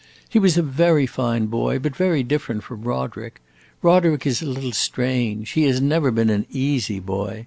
"He was a very fine boy, but very different from Roderick. Roderick is a little strange; he has never been an easy boy.